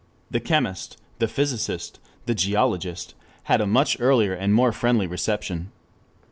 The chemist, the physicist, the geologist, had a much earlier and more friendly reception.